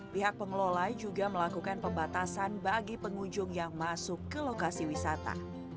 pihak pengelola juga melakukan pembatasan bagi pengunjung yang masuk ke lokasi wisata